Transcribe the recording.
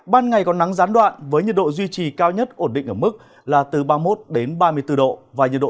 ban ngày có nắng gián đoạn với nhiệt độ duy trì cao nhất ổn định ở mức là từ ba mươi một ba mươi bốn độ